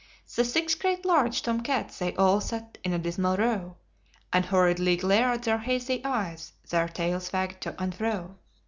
The six great large tom cats they all sat in a dismal row, And horridly glared their hazy eyes, their tails wagged to and fro.